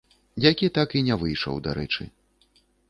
Які так і не выйшаў, дарэчы.